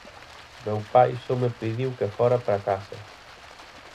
Meu pai só me pediu que fora para a casa.